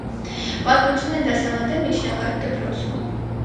Պատմություն է դասավանդել միջնակարգ դպրոցում։